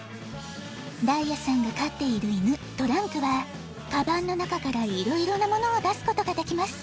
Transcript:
ダイヤさんがかっているいぬトランクはカバンのなかからいろいろなものをだすことができます。